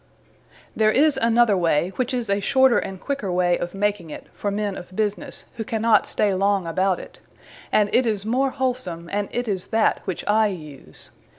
There is another way, which is a shorter and quicker way of making it, for men of businesse, who cannot stay long about it; and it is more wholsome; and it is that, which I use.